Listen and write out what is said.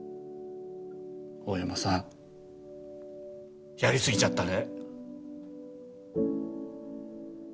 大山さんやり過ぎちゃったね。